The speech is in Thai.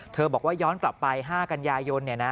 บอกว่าย้อนกลับไป๕กันยายน